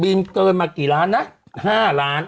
เกินมากี่ล้านนะ๕ล้าน